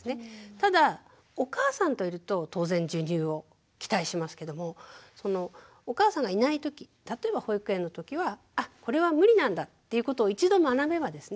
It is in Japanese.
ただお母さんといると当然授乳を期待しますけどもお母さんがいないとき例えば保育園のときはあこれは無理なんだっていうことを一度学べばですね